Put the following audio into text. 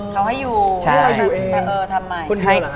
เขาให้อยู่ทำไมคุณพี่เหรอ